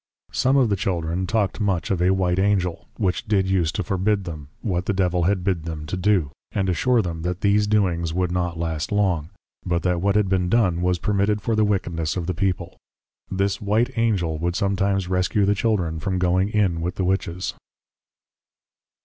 Some of the \Children\, talked much of a \White Angel\, which did use to \Forbid\ them, what the Devil had bid them to do, and \Assure\ them that these doings would \Not last long\; but that what had been done was permitted for the wickedness of the People. This \White Angel\, would sometimes rescue the Children, from \Going in\, with the Witches.